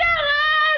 aku mau bangun